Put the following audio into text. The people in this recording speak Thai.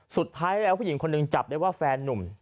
สุดท้ายแล้วผู้หญิงคนหนึ่งจับได้ว่าแฟนนุ่ม